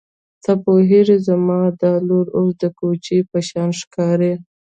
ته پوهېږې زما دا لور اوس د کوچۍ په شان ښکاري.